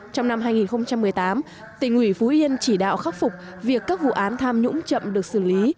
trong năm hai nghìn một mươi tám tỉnh ủy phú yên chỉ đạo khắc phục việc các vụ án tham nhũng chậm được xử lý